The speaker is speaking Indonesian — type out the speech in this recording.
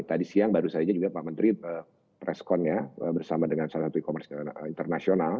tadi siang baru saja juga pak menteri preskonnya bersama dengan salah satu e commerce internasional